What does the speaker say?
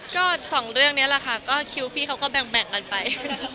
ก็สองเรื่องนี้แหละค่ะก็คิวพี่เขาก็แบ่งกันไป